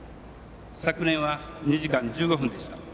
昨年は２時間１５分でした。